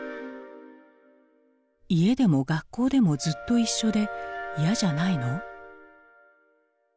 「家でも学校でもずっと一緒で嫌じゃないの？」。